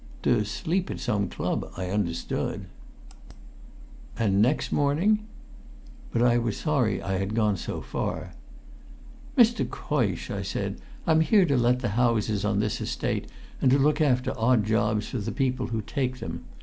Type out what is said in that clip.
"To sleep at some club, I understood." "And next morning?" But I was sorry I had gone so far. "Mr. Coysh," I said, "I'm here to let the houses on this Estate, and to look after odd jobs for the people who take them.